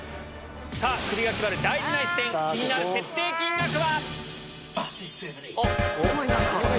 さあ、クビがかかる大事な一戦、気になる設定金額は？